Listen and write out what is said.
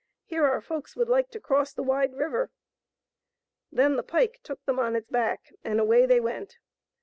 Here are folks would like to cross the wide river. Then the pike took them on its back and away they went.